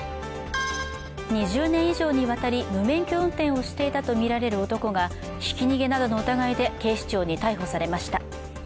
２０年以上にわたり無免許運転をしていたとみられる男がひき逃げなどの疑いで警視庁に逮捕されました。